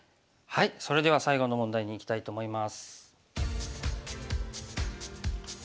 それでは最後の問題にいきたいと思います。